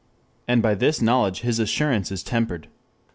And by this knowledge his assurance is tempered.